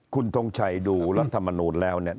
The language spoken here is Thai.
คุณทงชัยดูรัฐมนูลแล้วเนี่ย